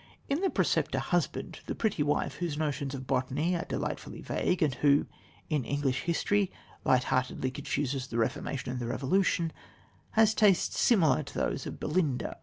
In The Preceptor Husband, the pretty wife, whose notions of botany are delightfully vague, and who, in English history, light heartedly confuses the Reformation and the Revolution, has tastes similar to those of Belinda.